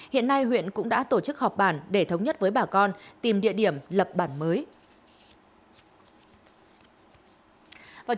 hiện nay huyện cũng đã tổ chức họp bản để thống nhất với bà con tìm địa điểm lập bản mới